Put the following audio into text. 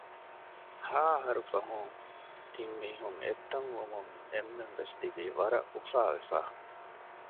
ހައަހަރު ފަހުން ތިންމީހުން އެއްތަން ވުމުން އެންމެންވެސް ތިބީ ވަރަށް އުފާވެފަ